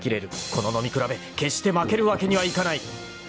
［この飲み比べ決して負けるわけにはいかない！］